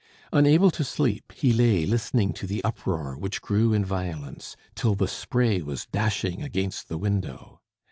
Unable to sleep, he lay listening to the uproar which grew in violence, till the spray was dashing against the window.